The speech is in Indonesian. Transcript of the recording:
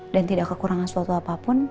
dan tidak kekurangan suatu apapun